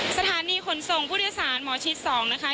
สถานีขนส่งผู้โดยสารหมอชิด๒นะคะ